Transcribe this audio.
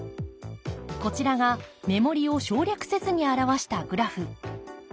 こちらが目盛りを省略せずに表したグラフ。